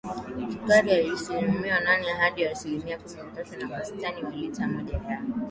sukari asilimia nane hadi asilimia kumi na tatu na wastani wa lita moja ya